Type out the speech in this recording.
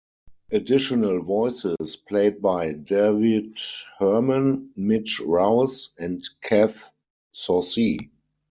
Additional voices played by David Herman, Mitch Rouse and Kath Soucie.